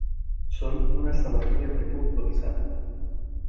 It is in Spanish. Son unas zapatillas de fútbol sala.